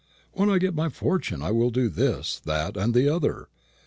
'When I get my fortune, I will do this, that, and the other.'